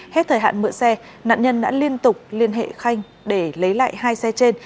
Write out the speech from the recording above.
hết thời hạn mượn xe nạn nhân đã liên tục liên hệ khanh để lấy lại hai xe trên